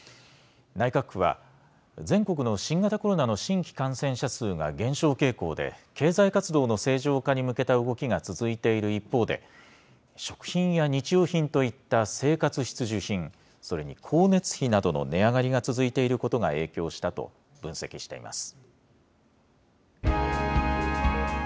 内閣府は、全国の新型コロナの新規感染者数が減少傾向で、経済活動の正常化に向けた動きが続いている一方で、食品や日用品といった生活必需品、それに光熱費などの値上がりが続いていることが影響したと分析しています。